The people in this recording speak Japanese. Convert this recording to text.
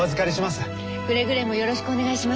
くれぐれもよろしくお願いします。